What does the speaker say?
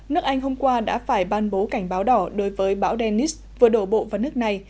nước anh hôm qua đã phải ban bố cảnh báo đỏ đối với bão dennis vừa đổ bộ vào nước này